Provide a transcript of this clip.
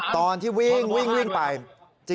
ตอนที่วิ่งไป